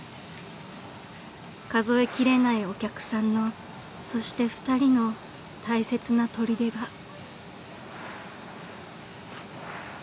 ［数え切れないお客さんのそして２人の大切なとりでが］